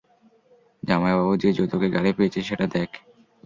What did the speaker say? জামাইবাবু যে যৌতুকে গাড়ি পেয়েছে, সেটা দ্যাখ।